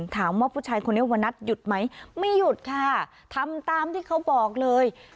ถามว่าผู้ชายคนนี้วันนัดหยุดไหมไม่หยุดค่ะทำตามที่เขาบอกเลย